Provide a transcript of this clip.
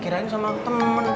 kirain sama temen